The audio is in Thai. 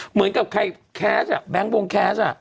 เหมือนกับแคชแบงแกชอ่ะ